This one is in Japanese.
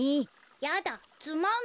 やだつまんない。